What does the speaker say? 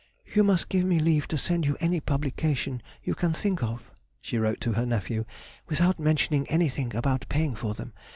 "You must give me leave to send you any publication you can think of," she wrote to her nephew, "without mentioning anything about paying for them.